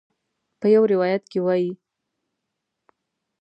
په یو روایت کې وایي.